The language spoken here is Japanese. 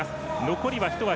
残りは１枠。